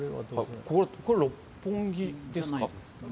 これ、六本木ですか？